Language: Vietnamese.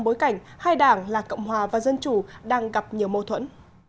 bối cảnh hai đảng là cộng hòa và dân chủ đang gặp nhiều mâu thuẫn